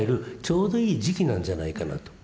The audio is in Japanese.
ちょうどいい時期なんじゃないかなと。